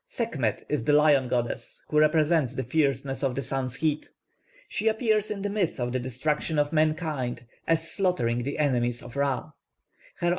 +Sekhmet+ is the lion goddess, who represents the fierceness of the sun's heat. She appears in the myth of the destruction of mankind as slaughtering the enemies of Ra.